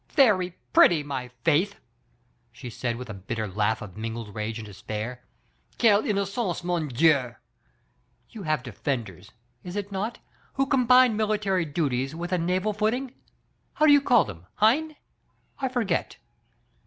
"Very pretty, my faith!*' she said, with a. bit ter laugh of mingled rage and despair. ^"^ Quelle innocence, mon Dieul You have defenders — is it not?— who combine military duties with a naval footing? How do you call them, hetnf I forget."